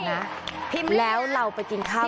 นี่แค่นี้